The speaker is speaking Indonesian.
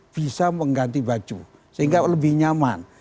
bisa mengganti baju sehingga lebih nyaman